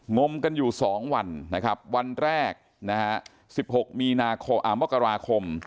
งมกันอยู่สองวันนะครับวันแรกนะฮะสิบหกมีนาคมอ่ามกราคม